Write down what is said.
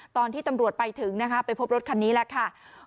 ตอนที่ตำรวจไปถึงนะคะไปพบรถคันนี้แหละค่ะ